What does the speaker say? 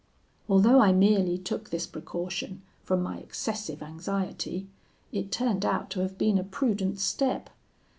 Although I merely took this precaution from my excessive anxiety, it turned out to have been a prudent step.